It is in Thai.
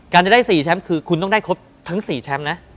การจะได้๔แชมป์คือคุณต้องได้ครบทั้ง๔แชมป์นะ